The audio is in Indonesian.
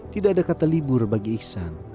tidak ada kata libur bagi ihsan